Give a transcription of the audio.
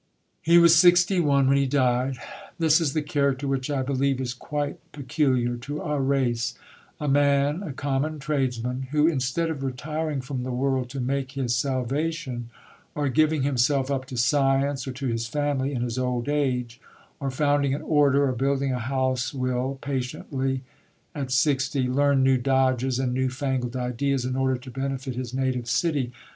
He was 61 when he died. This is the character which I believe is quite peculiar to our race a man, a common tradesman, who instead of "retiring from the world" to "make his salvation," or giving himself up to science or to his family in his old age, or founding an Order, or building a housewill patiently (at 60) learn new dodges and new fangled ideas in order to benefit his native city....